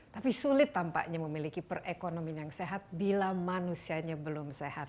tapi sulit tampaknya memiliki perekonomian yang sehat bila manusianya belum sehat